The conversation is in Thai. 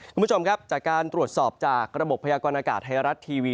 คุณผู้ชมครับจากการตรวจสอบจากระบบพยากรณากาศไทยรัฐทีวี